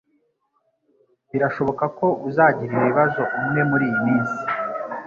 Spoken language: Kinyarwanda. Birashoboka ko uzagira ibibazo umwe muriyi minsi.